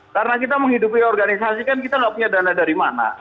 karena kita menghidupi organisasi kan kita nggak punya dana dari mana